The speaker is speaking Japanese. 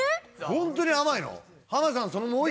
ホントに甘いの？